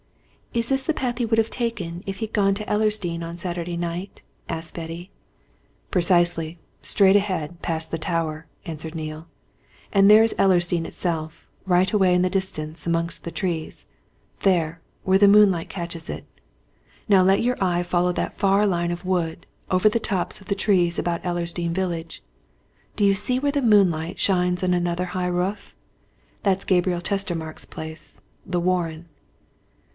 "Is this the path he would have taken if he'd gone to Ellersdeane on Saturday night?" asked Betty. "Precisely straight ahead, past the Tower," answered Neale. "And there is Ellersdeane itself, right away in the distance, amongst its trees. There! where the moonlight catches it. Now let your eye follow that far line of wood, over the tops of the trees about Ellersdeane village do you see where the moonlight shines on another high roof? That's Gabriel Chestermarke's place the Warren."